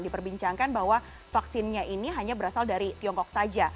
diperbincangkan bahwa vaksinnya ini hanya berasal dari tiongkok saja